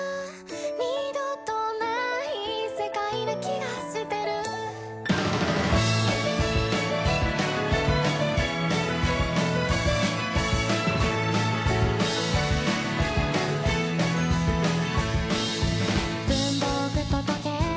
「二度とない世界な気がしてる」「文房具と時計